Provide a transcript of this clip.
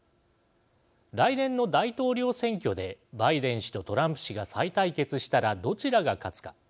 来年の大統領選挙でバイデン氏とトランプ氏が再対決したらどちらが勝つか。